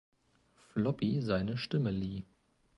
Floppy“ seine Stimme lieh.